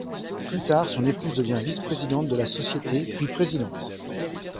Plus tard, son épouse devient vice-présidente de la Société, puis présidente.